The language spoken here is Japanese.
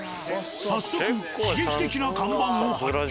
早速刺激的な看板を発見。